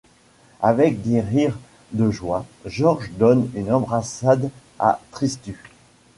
Avec des rires de joie, Georges donne une embrassade à Tristus.